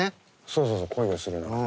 そうそうそう「恋をするなら」。